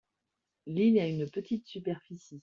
L'île a une petite superficie.